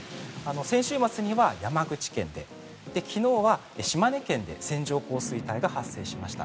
先週末には山口県で昨日は島根県で線状降水帯が発生しました。